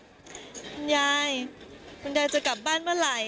คุณยายคุณยายจะกลับบ้านเมื่อไหร่